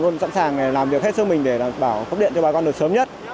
luôn sẵn sàng làm việc hết sức mình để đảm bảo cấp điện cho bà con được sớm nhất